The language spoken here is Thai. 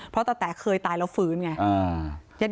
เพราะตะแต๋เคยตายแล้วฟื้นไง